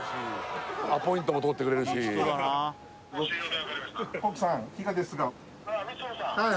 アポイントも取ってくれるしはい